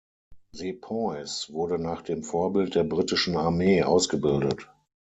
Sepoys wurden nach dem Vorbild der britischen Armee ausgebildet.